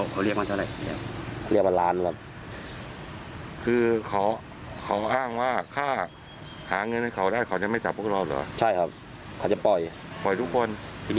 ทีนี้หามาได้๕แสนคนเลยจับ๒คน